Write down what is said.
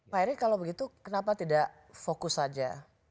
pak erick kalau begitu kenapa tidak fokus saja